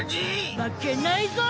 負けないぞ！